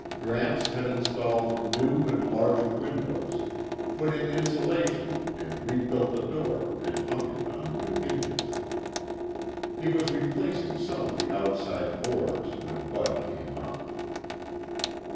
Gramps had installed new and larger windows, put in insulation and rebuilt the door and hung it on new hinges. He was replacing some of the outside boards when Bud came up.